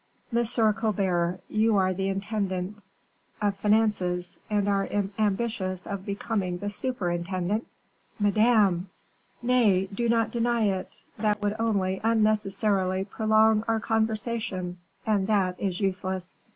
"Monsieur Colbert, you are the intendant of finances, and are ambitious of becoming the superintendent?" "Madame!" "Nay, do not deny it; that would only unnecessarily prolong our conversation, and that is useless."